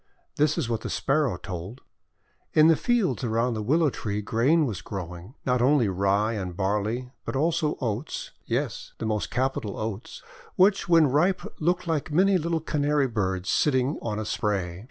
This is what the Sparrow told :— In the fields around the Willow Tree grain was growing; not only Rye and Barley, but also Oats, — yes, the most capital Oats, — which when ripe looked like many little Canary birds sitting on a spray.